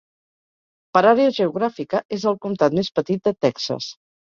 Per àrea geogràfica, és el comtat més petit de Texas.